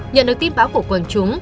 nhận được tin báo của quần chúng